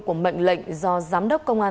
của mệnh lệnh do giám đốc công an